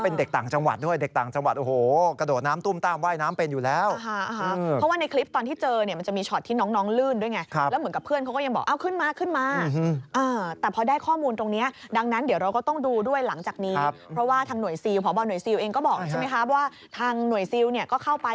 เพราะว่าหน่วยซิลเองก็บอกใช่ไหมครับว่าทางหน่วยซิลก็เข้าไป